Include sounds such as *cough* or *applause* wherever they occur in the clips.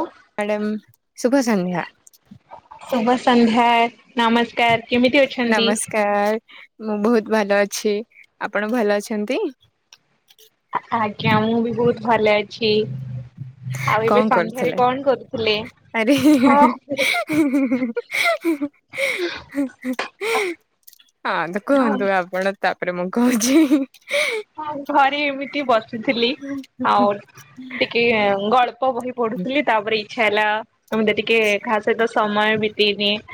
ଉଫ। Madam ଶୁଭସନ୍ଧ୍ୟା। ଶୁଭ ସନ୍ଧ୍ୟା, ନମସ୍କାର କେମିତି ଅ ନମସ୍କାର ମୁଁ ବହୁତ ଭଲ ଅଛି, ଆପଣ ଭଲ ଅଛନ୍ତି? ଆଜ୍ଞା ମୁଁ ବି ବହୁତ ଭଲ ଅଛି - କଁ କରୁଥିଲେ, ଆରେ ହିଁହିଁ ହଁ ହିଁ ହିଁହିଁ ହିଁ ହିଁହିଁ। ହିଁହିଁ ହିଁ ହଁ ତ କୁହନ୍ତୁ ଆପଣ - ତାପରେ ମୁଁ କହୁଛି ହିଁ ହିଁ। ହଁ ଘରେ ଏମିତି ବସିଥିଲି ଆଉ ଟିକେ ଗଳ୍ପ ବହି ପଢୁଥିଲି ତାପରେ ଇଚ୍ଛା ହେଲା ତ ଏମିତି ଟିକେ କାହା ସହିତ ସମୟ ବିତେଇ ଦିଏ -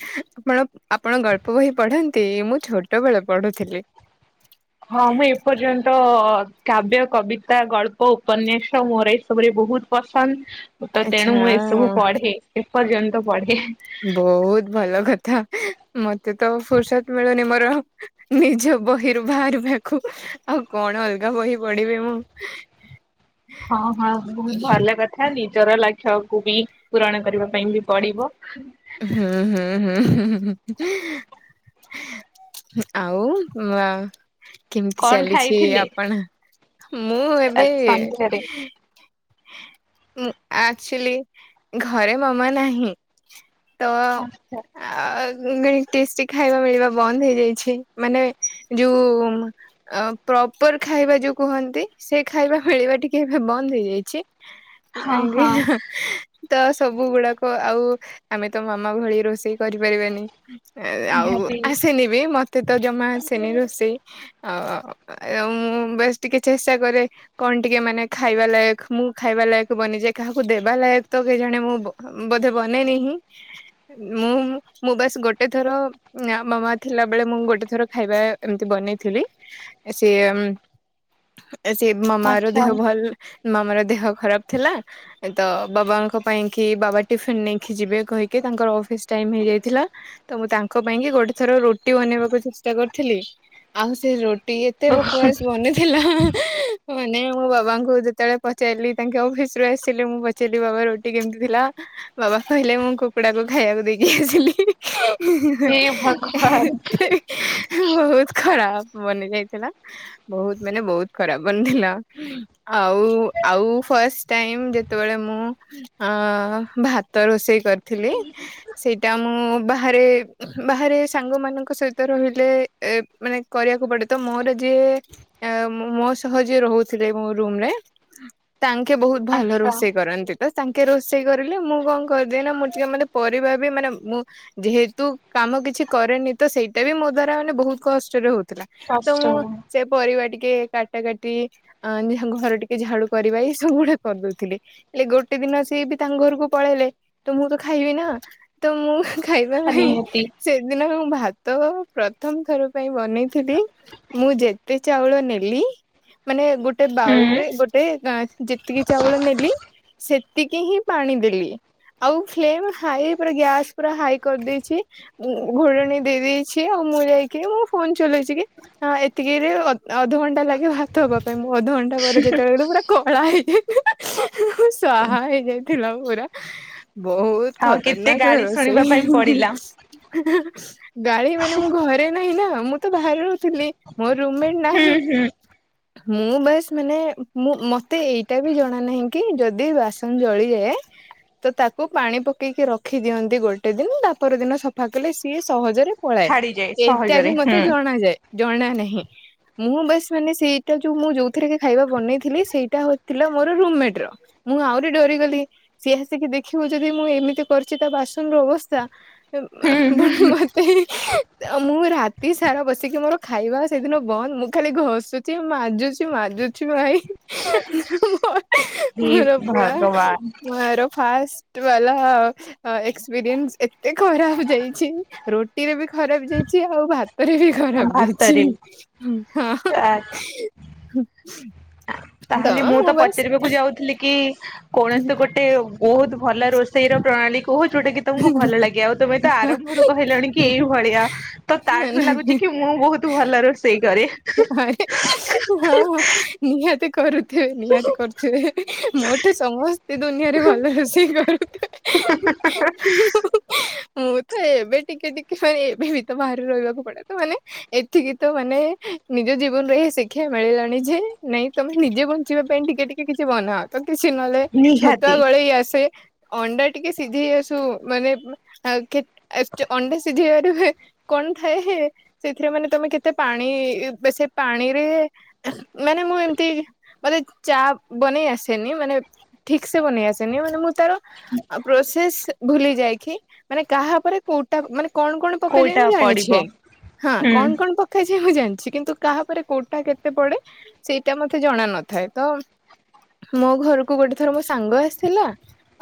*unintelligible* ଆପଣ ଗଳ୍ପ ବହି ପଢନ୍ତି ମୁଁ ଛୋଟ ବେଳେ ପଢୁଥିଲି। ହଁ ମୁଁ ଏପର୍ଯ୍ୟନ୍ତ କାବ୍ୟ, କବିତା, ଗଳ୍ପ, ଉପନ୍ୟାସ ମୋର ଏସବୁରେ ବହୁତ ପସନ୍ଦ ତ ତେଣୁ ମୁଁ ଆଚ୍ଛା ଏସବୁ ପଢେ ଏପର୍ଯ୍ୟନ୍ତ ପଢେ। ବହୁତ ଭଲ କଥା ମତେ ତ ଫୁର୍ସତ ମିଳୁନି ମୋର ନିଜ ବହିରୁ ବାହାରିବାକୁ ଆଉ କଣ ଅଲଗା ବହି ପଢିବି ମୁଁ। *inaudible* ହଁ ହଁ ବହୁତ ଭଲ କଥା ଥା ନିଜର ଲାକ୍ଷ୍ୟକୁୁ ବି ପୂରଣ କରିବା ପାଇଁ ବି ପଡିବ। ହୁଁ ହୁଁ ହୁଁ ହୁଁହୁଁହୁଁ। ଆଉ କେମିତି କଣ ଚାଲିଛି ଖାଇଥିଲେ ଆପଣ ମୁଁ ଏବେ ଆଜି ସନ୍ଧ୍ୟାରେ? ଉଁ ଆକ୍ଚୁଆଲି ଘରେ ମାମା ନାହିଁ। ତ ଆଛା ଆ ମାନେ ଟେଷ୍ଟି ଖାଇବା ମିଳିବା ବନ୍ଦ ହେଇଯାଇଛି ମାନେ ଯୋଉ ଅଁ ପ୍ରପର ଖାଇବା ଯୋଉ କୁହନ୍ତି ସେ ଖାଇବା ମିଳିବା ଟିକେ ଏବେ ବନ୍ଦ ହେଇଯାଇଛି। ହଁ ହଁ ଆଜ୍ଞା ତ ସବୁ ଗୁଡାକ ଆଉ ଆମେ ତ ମାମା ଭଳି ରୋଷେଇ କରିପାରିବାନି। ଆଉ ନିହାତି ଆସନି ବି ମତେ ତ ଜମା ଆସେନି ରୋଷେଇ। ଆଉ ମୁଁ ବେଶ ଟିକେ ଚେଷ୍ଟା କରେ। କଣ ଟିକେ ମାନେ ଖାଇବା ଲାୟକ ମୁଁ ଖାଇବା ଲାୟକ ବନିଯାଏ କାହାକୁ ଦେବା ଲାୟକ ତ କେଜାଣି ମୁଁ ବୋଧେ ବନେନିହି ମୁଁ ମୁଁ ବାସ୍ ଗୋଟେ ଥର ନା ମାମା ଥିଲା ବେଳେ ମୁଁ ଗୋଟେ ଥର ଖାଇବା ଏମିତି ବନେଇଥିଲି ସିଏ ସେ ବି ମାମା ର ଆଛା ଦେହ ଭଲ ମାମାର ଦେହ ଖରାପ ଥିଲା ତ ବାବାଙ୍କ ପାଇଁକି ବାବା ଟିଫିିନ ନେଇକି ଯିବେ କହିକି ତାଙ୍କର ଅଫିସ ଟାଇମ ହେଇଯାଇଥିଲା। ତ ମୁଁ ତାଙ୍କ ପାଇଁ କି ଗୋଟେ ଥର ରୁଟି ବନେଇବାକୁ ଚେଷ୍ଟା କରିଥିଲି ଆଉ ସେ ଏତେ ବକବସ ମନେଥିଲା ମାନେ ମୁଁ ବାବାଙ୍କୁ ଯେତେବେଳେ ପଚେଇଲି ତାଙ୍କେ ଅଫିସ ରୁ ଆସିଲି ମୁଁ ପଚେଇଲିି ବାବା ରୁଟି କେମିତି ଥିଲା ବାବା କହିଲେ ମୁଁ କୁକୁଡ଼ାକୁ ଖାଇବାକୁ ଦେଇକି ଆସିଲି ହେ ଭଗବାନ ବହୁତ ଖରାପ ବନି ଯାଇଥିଲା ବହୁତ ମାନେ ବହୁତ ଖରାପ ବନଥିଲା ଆଉ ଆଉ ଫଷ୍ଟ ଟାଇ ଯେତେବେଳେ ମୁଁ ଅ ଭାତ ରୋଷେଇ କରିଥିଲି ସେଇଟା ମୁଁ ବାହାରେ ବାହାରେ ସାଙ୍ଗ ମାନଙ୍କ ସହିତ ରହିଲେ ଏ ମାନେ କରିବାକୁ ପଡେ ତ ମୋର ଯିଏ ମୋ ସହ ଯିଏ ରହୁଥିଲେ ମୋ ରୁମ ରେ ତାଙ୍କେ ବହୁତ ଭଲ ଆଛା ରୋଷେଇ କରନ୍ତି ତ ତାଙ୍କେ ରୋଷେଇ କରିଲେ ମୁଁ କଣ କରିଦି ଏ ନା ଯିଏ ମାନେ ପରିବା ବି ମାନେ ମୁଁ ଯେହେତୁ କାମ କିଛି କରେନି ତ ସେଇଟା ବି ମୋ ଦ୍ଵାରା ମାନେ ବହୁତ କଷ୍ଟରେ ହଉଥିଲା ତ କଷ୍ଟ ମୁଁ ସେ ପରିବା ଟିକେ କାଟା କାଟି *unintelligible* ଙ୍କ ଘରେ ଟିକେ ଝାଡୁ କରିବା ଏ ସବୁ ଗୁଡା କରିଦଉଥିଲେ ହେଲେ ଗୋଟେ ଦିନ ସିଏ ବି ତାଙ୍କ ଘରକୁ ପଳେଇଲେ ତ ମୁଁ ଖାଇବି ନା ତ ମୁଁ ଖାଇବା ପାଇଁ ନିହାତି ସେଦିନ ମୁଁ ଭାତ ପ୍ରଥମ ଥର ପାଇଁ ବନେଇଥିଲି ମୁଁ ଯେତେ ଚାଉଳ ନେଲି ମାନେ ଗୋଟେ ବାଉଲ ହୁଁ। ରେ ଗୋଟେ ଏଁ ଯେତିକି ଚାଉଳ ନେଲି। ସେତିକି ହିଁ ପାଣି ଦେଲି ଆଉ। ଫ୍ଲେମ ହାଇ ପୁରା ଗ୍ୟାସ୍ ପୁରା ହାଇ କରିଦେଇଛି। ଘୋଡ଼ଣୀ ଦେଇ ଦେଇେଇଛି ଆଉ ମୁଁ ଯାଇକି ମୁଁ ଫୋନ ଚଲେଇଛି କି। ହଁ ଏତିକିରେ ଅଧଘଣ୍ଟା ଲାଗେ ଭାତ ହବା ପାଇଁ ମୁଁ ଅଧଘଣ୍ଟା ପରେ ଯେତେବେଳେ ପୁରା। କଳା ହେଇଯାଇଥିଲା ସୁହା ହେଇଯାଇଥିଲା ପୁରା ବହୁତ। ଆଉ କେତେ ଖତରନାକ ଗାଳି ଶୁଣିବା ରଷେଇ। ପାଇଁ ପଡିଲା ଗାଳି ମାନେ ମୁଁ ଘରେ ନାହିଁ ନା ମୁଁ ତ ବାହାରାରୁ ରହୁଥିଲି। ମୋ ରୁମମେଟ ହୁଁ ନାହିଁ। ହୁଁ ମୁଁ ବାସ୍ ମାନେ ମୁଁ ମତେ ଏଇଟା ବି ଜଣା ନାହିଁ କି ଯଦି ବାସନ ଜଳିଯାଏ। ତ ତାକୁ ପାଣି ପକେଇକି ରଖି ଦିଅନ୍ତି ଗୋଟେ ଦିନ ତା ପର ଦିନ ସଫା କଲେ ସିଏ ସହଜରେ। ପଳାଏ ଛାଡିଯାଏ ଏଟା ବି ସହଜରେ ହୁଁ। ମତେ ଜଣା ଯାଏ ଜଣା ନାହିଁ। ମୁଁ ବାସ୍ ମାନେ ସେଇଟା ଯୋଉ ମୁଁ ଯୋଉଥିରେ କି ଖାଇବା ବନେଇଥିଲି ସେଇଟା ହଉଥିଲା ମୋର ରୁମମେଟ ର। ମୁଁ ଆହୁରି ଡରିଗଲି ସିଏ ଆସିକି ଦେଖ ଦେଖିବୁ ଯଦି ମୁଁ ଏମିତି କରିଛି ତା ବାସନ ର ଅବସ୍ଥା। *inaudible* ମୁଁ ରାତି ସାରା ବସିକି ମୋର ଖାଇବା ସେଇଦିନ ବନ୍ଦ ମୁଁ ଖାଲି ଘଷୁଛି ମାଜୁଛି ମାଜୁଛି। ଭାଇ ହେ ମୋର ପୁରା ଭଗବାନ ମୋର ଫାଷ୍ଟ। ବାଲା। ଏକ୍ସପିରିଏନ୍ସ ଏତେ ଖରାପ ଯାଇଛି ରୁଟି ରେ ବି ଖରାପ ଯାଇଛି ଆଉ ଭାତରେ ବି। ଖରାପ ଦେଇଛି ଭାତରେ ହଁ। ଆ ତାହେଲେ ମୁଁ ତ ପଚାରିବାକୁ ଯାଉଥିଲି କି କୌଣସି ଗୋଟେ ବହୁତ। ଭଲ ରୋଷେଇ ର ପ୍ରଣାଳୀ କହୁ ଯୋଉଟା କି। ତମକୁ ଭଲ ଲାଗେ ଆଉ ତମେ ତ ଆରମ୍ଭରୁ କହିଲଣି କି ଏଇ ଭଳିଆ ତ ତାଠୁ ନାଇଁ ଲାଗୁଛି କି ମୁଁ ବହୁତ। ତୁ ଭଲ ରୋଷେଇ କରେ। ଆରେ ହଁ ନିହାତି କରୁ ଥିବେ ନିହାତି କରୁଥିବେ ମୋଠୁ ସମସ୍ତେ ଦୁନିଆରେ ଭଲ ରୋଷେଇ କରୁଥିବେ। *inaudible* ମୁଁ ତ ଏବେ ଟିକେ ଟିକେ ମାନେ ଏବେ ବି ତ ବାହାରେ ରହିବାକୁ ପଡେ ତ ମାନେ। ଏତିକି ତ ମାନେ ନିଜ ଜୀବନରେ ଏ ଶିକ୍ଷା ମିଳିଲାଣି ଯେ ନାଇଁ ତମେ ନିଜେ ବଞ୍ଚିବା ପାଇଁ ଟିକେ ଟିକେ। କିଛି ବନାଅ ତ କିଛି ନହଲେ ଛତୁଆ ନିହାତି ଗଳେଇ ଆସେ ଅଣ୍ଡା ଟିକେ। ସିଝେଇ ଆସୁ ମାନେ ଅଣ୍ଡା ସିଧିଇବାରେ ହୁଏ। କଣ ଥାଏ ସେଥିରେ ମାନେ ତମେ କେତେ ପାଣି ବେସି ପାଣିରେ। ମାନେ ମୁଁ ଏମତି ମତେ ଚା ବନେଇ ଆସେନି ମାନେ। ଠିକ ସେ ବନେଇ ଆସେନି ମାନେ ମୁଁ ତାର। ପ୍ରସେସ ଭୁଲି ଯାଇଛି ମାନେ କାହା ଉପରେ। କଉଟା ମାନେ କଣ କଣ ପକେଇ ଯାଇଏ କୋଉଟା ମୁଁ ଜାଣିଛି ପଡିବ ହଁ ହୁଁ କଣ କଣ ପକ ଯାଏ ମୁଁ ଜାଣିଛି କିନ୍ତୁ କାହାପରେ କୋଉଟା କେତେ ପଡେ ସେଇଟା ମତେ ଜଣ ନଥାଏ ତ। ମୋ ଘରକୁ ଗୋଟେ ଥର ମୋ ସାଙ୍ଗ ଆସିଥିଲା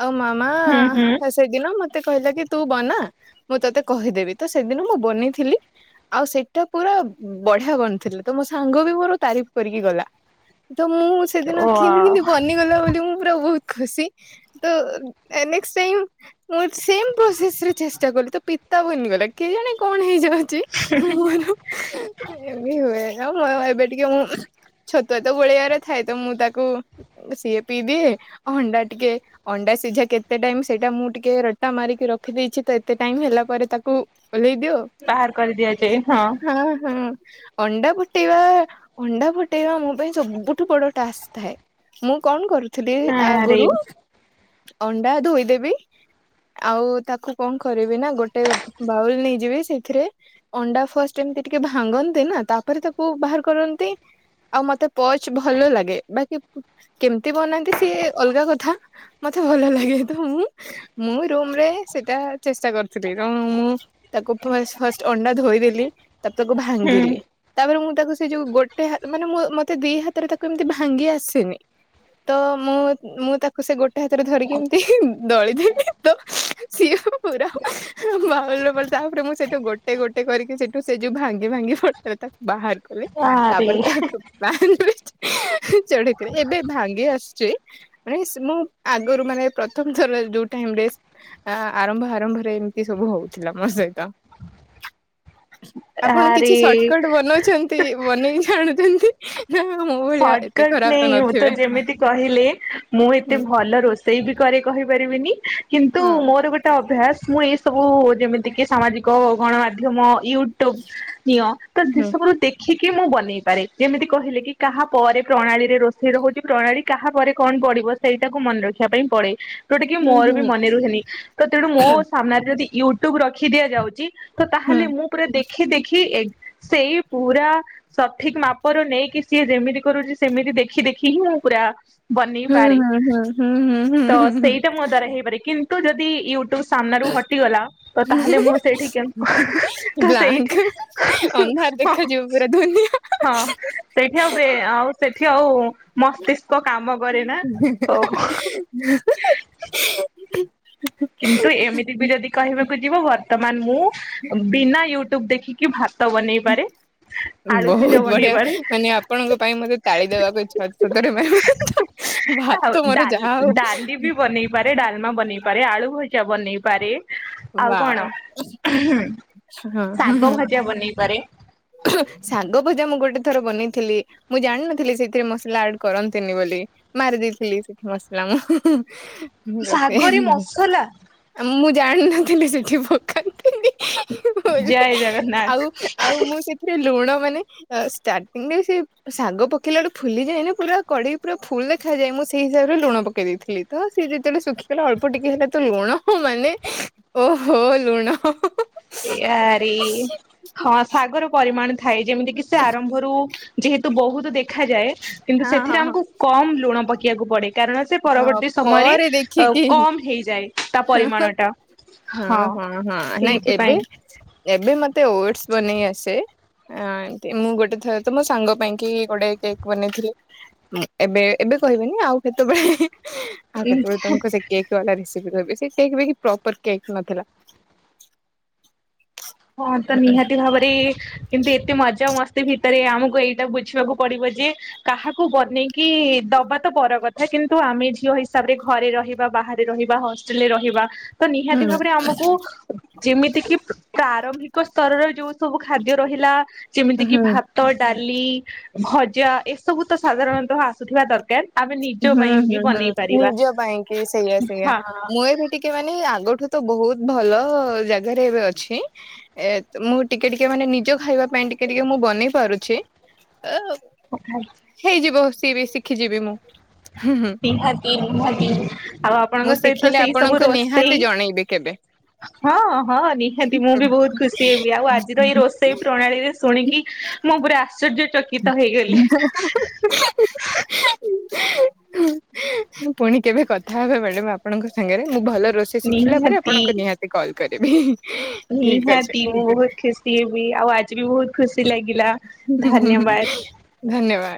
ଆଉ ମାମା। ହୁଁ ହୁଁ ସେଦିନ ମତେ କହିଲା କି ତୁ ବନା ମୁଁ ତତେ କହିଦେବି ତ ସେଦିନ ମୁଁ ବନେଇଥିଲି। ଆଉ ସେଇଟା ପୁରା ବଢିଆ ବନଥିଲି ତ ମୋ ସାଙ୍ଗ ବି ମୋର ତାରିଫ କରିକି ଗଲା। ତ ମୁଁ ସେଦିନ ଓ କିନ୍ତି କିନ୍ତି ବନିଗଲା ବୋଲି ମୁଁ ପୁରା ବହୁତ ଖୁସି ତ। Next time. ମୋ ସେମ ପ୍ରୋସେସ ରେ ଚେଷ୍ଟା କଲି ତୋ ପିତା ବନିଗଲା କିଏ ଜଣେ କଣ ହେଇଯାଉଛି। *inaudible* ଛତୁଆ ତ ଗୋଳେଇଆର ଥାଏ ତ ମୁଁ ତାକୁ ସିଏ ପିଇ ଦିଏ ଅଣ୍ଡା ଟିକେ ଅଣ୍ଡା ସିଝା କେତେ ଟାଇମ୍ ସେଟା ମୁଁ ଟିକେ ରେଟା ମାରିକି ରଖିଦେଇଚି ତ ଏତେ ଟାଇମ୍ ହେଲା ପରେ ତାକୁ ଓହ୍ଲେଇ ଦିଅ। ବାହାର କରିଦିଆଯାଏ ହଁ ହଁ। ଅଣ୍ଡା ଫୁଟେଇବା ଅଣ୍ଡା ଫୁଟେଇବା ମୋ ପାଇଁ ସବୁଠୁ ବଡ ଟାସ୍କ ଥାଏ। ମୁଁ କଣ କରୁଥିଲି ଆରେ ଆଗୁରୁ ଅଣ୍ଡା ଧୋଇଦେବି ଆଉ ତାକୁ କଁ କରିବି ନା ଗୋଟେ ବାଉଲ୍ ନେଇଯିବି ସେଇଥିରେ ଅଣ୍ଡା ଫଷ୍ଟ୍ ଏମିତି ଟିକେ ଭାଙ୍ଗନ୍ତି ନା ତାପରେ ତାକୁ ବାହାର କରନ୍ତି ଆଉ ମତେ ପଚ୍ ଭଲ ଲାଗେ ବାକି କେମ୍ତି ବନାନ୍ତି ସିଏ ଅଲଗା କଥା ମତେ ଭଲ ଲାଗେ ତ ମୁଁ ମୁଁ ରୁମ୍ ରେ ସେଟା ଚେଷ୍ଟା କରିଥିଲି କାଣ ମୁଁ ତାକୁ ଫାଷ୍ଟ୍ ଫଷ୍ଟ ଅଣ୍ଡା ଧୋଇଦେଲି ତା ପେ ତାକୁ ହୁଁ ଭାଙ୍ଗିଲି ତାପରେ ମୁଁ ତାକୁ ସେ ଯୋଉ ଗୋଟେ ହା ମାନେ ମୁଁ ମତେ ଦି ହାତରେ ତାକୁ ଏମିତି ଭାଙ୍ଗି ଆସେନି। ତ ମୁଁ ମୁଁ ତାକୁ ସେ ଗୋ ଟେ ହାତରେ ଧରିକି ଏମିତି ଦଳି ଦେଲି ତ ସିଏ ପୁରା ବାଉଲ୍ ଉପରେ ତାପରେ ମୁଁ ସେଠୁ ଗୋଟେ ଗୋଟେ କରିକି ସେଠୁ ସେ ଯୋଉ ଭାଙ୍ଗି ଭାଙ୍ଗି ପଡିଥିଲା ତାକୁ ବାହାର୍ କଲି ଆରେ ତାପରେ ତାହାକୁ *inaudible* ଚଢିକିରି ଏବେ ଭାଙ୍ଗି ଆସୁଚି ମାନେ ମୁଁ ଆଗରୁ ମାନେ ପ୍ରଥମ ଥର ଯୋଉ ଟାଇମ୍ ଡେ ଆ ଆରମ୍ଭ ଆରମ୍ଭରେ ଏମିତି ସବୁ ହଉଥିଲା ମୋ ସହିତ ଆପଣ କିଛି ସଟ୍ ଆରେ କଟ୍ ବନଉଛନ୍ତି ବନେଇକି ଛାଣୁଛନ୍ତି? ସଟ୍ କଟ୍ ନେହିଁ ହୋତା ଯେମିତି କହିଲି ମୁଁ ହୁଁ ଏତେ ଭଲ ରୋଷ ଇ ବି କରି କହିପାରିବିନି କିନ୍ତୁ ହୁଁ ମୋର ଗୋ ଟେ ଅଭ୍ୟାସ ମୁଁ ଏଇ ସବୁ ଯେମିତିକିି ସାମାଜିକ ଗଣମାଧ୍ୟମ ୟୁଟ୍ୟୁବ୍ଳ ନିଅ ତ ସେ ହୁଁ ସବୁରୁ ଦେଖିକି ମୁଁ ବନେଇ ପାରେ ଯେମିତି କହିଲେ କି କାହା ପରେ ପ୍ରଣାଳୀରେ ରୋଷେଇ ର ହଉଚି ପ୍ରଣାଳୀ କାହା ପରେ କଣ ପଡିବ ସେଇଟାକୁ ମନେ ରଖିବା ପାଇଁ ପଡେ ଯୋଉଟା କି ହୁଁ ମୋର ବି ହୁଁ ମନେ ରୁହେନି ତେଣୁ ମୋ ସାମ୍ନାରେ ଯଦି ୟୁଟ୍ୟୁବ୍ ରଖି ଦିଆଯାଉଚି ତ ହୁଁ ତାହେଲେ ମୁଁ ପୁରା ଦେଖି ଦେଖି ଏକ୍ ସେଇ ପୁରା ସଠିକ୍ ମାପ ର ନେଇକି ସିଏ ଯେମିତି କରୁଚି ସେମିତି ଦେଖି ଦେଖି ହିଁ ମୁଁ ପୁରା ବନେଇ ହୁଁ ପାରେ। ହୁଁ ହୁଁ ହୁଁ ହୁଁ ତ ହୁଁ ହୁଁ ହୁଁ ସେଇଟା ମୋ ଦ୍ଵାରା ହେଇପାରେ କିନ୍ତୁ ଯଦି ୟୁ ଟ୍ୟୁବ୍ ସାମ୍ନାରୁ ହଟିଗଲା ତ ତାହେଲେ ମୁଁ ସେଇଠି କେମ୍ ତ ବ୍ଲାଙ୍କ ସେଇଠି ଅନ୍ଧାର ହଁ ଦେଖାଯିବ ପୁରା ଧୁନିଆ। ହଁ ସେଇଠି ଆଉ ବ୍ରେ ଆଉ ସେଠି ଆଉ ମସ୍ତିଷ୍କ କାମ କରେ ନା ଓ କିନ୍ତୁ ଏମିତି ବି ଯଦି କହିବାକୁ ଯିବ ବର୍ତ୍ତମାନ ମୁଁ ବିନା ୟୁଟ୍ୟୁବ୍ ଦେଖି କି ଭାତ ବନେଇ ପାରେ। ଆଳୁ ସିଝା ବହୁତ୍ ବନେଇ ବଢିଆ ପାରେ। ମାନେ ଆପଣଙ୍କ ପାଇଁ ମତେ ତାଳି ଦେବାକୁ ଇଛା ହଉଚି ସତରେ ମ୍ୟାଡମ୍ ଆଉ ଭାତ ମୋର ଡାଲି ଯାହା ହଉ ଡାଲି ବି ବନେଇ ପାରେ ଡାଲମା ବନେଇ ପାରେ ଆଳୁ ଭଜା ବନେଇ ପାରେ ଆଉ କଣ ୱାଓ ହଁ ହଁ ଶାଗ ହଁ ଭଜା ବନେଇପାରେ। ଶାଗ ଭଜା ମୁଁ ଗୋଟେ ଥର ବନେଇଥିଲି ମୁଁ ଜାଣିନଥିଲି ସେଇଥିରେ ମସଲା ଆଡ କରନ୍ତିନି ବୋଲି ମାର୍ ଦେଇଥିଲି ସେଠି ମସଲା ମୁଁ *inaudible* ବ ସେ ଶାଗରେ ମସଲା ଆ ମୁଁ ଜାଣିନଥିଲି ସେଠି ପକାନ୍ତିିନି। ଜୟ ଜଗନ୍ନାଥ ଆଉ ଆଉ ମୁଁ ସେଥିରେ ଲୁଣ ମାନେ ଷ୍ଟାର୍ଟିଂ ରେ ସେ ଶାଗ ପକେଇଲା ରୁ ଫୁଲିଯାଏ ନା ପୁରା କଡେଇ ପୁରା ଫୁଲ ଦେଖାଯାଏ ମୁଁ ସେଇ ହିସାବରେ ଲୁଣ ପକେଇ ଦେଇଥିଲି ତ ସିଏ ଯେତେବେଳେ ଶୁଖିଗଲା ଅଳ୍ପ ଟିକି ହେଲା ତ ଲୁଣ ମାନେ ଓହୋ ଲୁଣ ହଁ ହଁ ହଁ। ୟାରି ହଁ ଶାଗର ପରିମାଣ ଥାଏ ଯେମିତି କିି ସେ ଆରମ୍ଭରୁ ଯେହେତୁ ବହୁତ ଦେଖାଯାଏ କିନ୍ତୁ ହଁ ହଁ ସେଥିରେ ହଁ ଆମକୁ କମ ଲୁଣ ପ ଶଖିବାକୁ ପଡେ କାରଣ ସେ ହଁ ପରବର୍ତ୍ତୀ ସମୟରେ ପରେ ଅ ଦେଖିକି କମ୍ ହେଇଯାଏ। ତା ପରିମାଣ *unintelligible* ଟା ହଁ ହଁ ହଁ ନାଇଁ ଏ ଏବେ ସେଇଥିପାଇଁ ଏବେ ମତେ ଓଡ଼ସ ବନେଇ ଆସେ। ଅ ଏ ମୁଁ ଗୋଟେ ଥର ତ ମୋ ସାଙ୍ଗ ପାଇଁ କି ଗୋଟେ କେକ୍ ବନେଇଥିଲି। ଏବେ ଏବେ କହିବେନି ଆଉ କେତେବେଳେ ଆଉ କେତେବେଳେ ତମକୁ ସେ କେକ୍ ବାଲା ରେସି ସିପି କହିବି ସେ କେକ ବି ପ୍ରପର କେକ୍ ନଥିଲା। ହଁ ତ ନିହାତି ଭାବରେ କିନ୍ତୁ ଏତେ ମଜା ମସ୍ତି ଭିତରେ ଆମକୁ ଏଇଟା ବୁଝିବାକୁ ପଡିବ ଯେ କାହାକୁ ବନେଇକି ଦବା ତ ବଡ କଥା କିନ୍ତୁ ଆମେ ଝିଅ ହିସାବରେ ଘରେ ରହିବା ବାହାରେ ରହିବା ହଷ୍ଟେଲ ରହିବା ତ ହୁଁ ନିହାତି ଭାବରେ ଆମକୁ ଯେମିତି କି ପ୍ରାରମ୍ଭିକ ସ୍ତରରେ ଯୋଉ ସବୁ ଖାଦ୍ୟ ରହିଲା ଯେମିତି କି ହୁଁ ଭା ତ ଡାଲି ଭଜା ଏସବୁ ତ ସାଧାରଣତଃ ଆସୁଥିବା ଦରକାର। ଆମେ ନିଜ ହୁଁ ପାଇଁ ହୁଁ ବି ହୁଁ ବନେଇ ପାରିବା ନିଜ ପାଇଁ କି ସେଇଆ ସେଇଆ ହଁ ମୁଁ ଟିକେ ମାନେ ଆଗଠୁ ତ ବହୁତ ଭଲ ଜାଗାରେ ଏବେ ଅଛି। ଏ ମୁଁ ଟିକେ ଟିକେ ମାନେ ନିଜ ଖାଇବା ପାଇଁ ଟିକେ ଟିକେ ମୁଁ ବନେଇ ପାରୁଛି। ଏ *unintelligible* ହେଇଯିବ ସିଏ ବି ଶିଖିଯିବି ମୁଁ ହୁଁ ହୁଁ। ନିହାତି ନିହାତି ଆଉ ମୁଁ ଆପଣଙ୍କ ସହିତ ଶିଖିଲେ ସେଇ ସବୁ ଆପଣଙ୍କୁ ରୋଷେଇ ନିହାତି ଜଣେଇବି କେବେ। ହଁ ହଁ ନିହାତି ମୁଁ ହୁଁ ବି ବହୁତ ଖୁସି ହେବି ଆଉ ଆଜିର ଏଇ ହୁଁ ରୋଷେଇ ପ୍ରଣାଳୀରେ ଶୁଣିକି ମୁଁ ପୁରା ଆଶ୍ଚର୍ଯ୍ୟ ଚ *unintelligible* ପୁଣି କେବେ କଥା ହେବେ ମ୍ୟାଡାମ ଆପଣଙ୍କ ସାଙ୍ଗରେ ମୁଁ ଭଲ ରୋଷେଇ ସେ ଶିଖିଲା ପରେ ନିହାତି ଆପଣଙ୍କୁ ନିହାତି କଲ୍ କରିବି। ହିଁ ଠିକ ହାଁ ଅଛି ତି ମୁଁ ବହୁତ ଖୁସି ହେବି ଆଉ ଆଜି ବି ବହୁତ ଖୁସି ଲାଗିଲା। ଧନ୍ୟବାଦ। ଧନ୍ୟବାଦ।